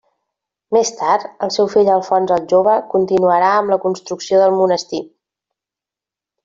Més tard, el seu fill Alfons el Jove continuarà amb la construcció del monestir.